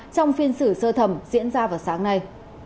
trong phiên xử sơ thẩm diễn ra vào sáng nay